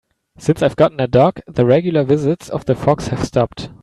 Since I've gotten a dog, the regular visits of the fox have stopped.